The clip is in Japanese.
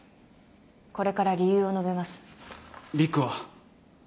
これから理由を述べます。